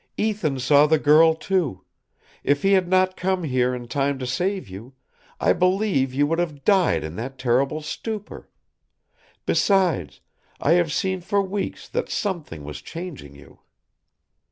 "Ethan saw the girl, too. If he had not come here in time to save you, I believe you would have died in that terrible stupor. Besides, I have seen for weeks that something was changing you."